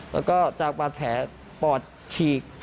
แล้วก็จากบาดแผลปอดฉีก